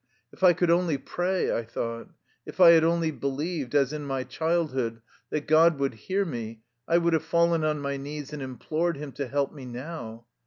If I could only pray, I thought. If I had only believed, as in my child hood, that God would hear me, I would have fallen on my knees and implored Him to help me now.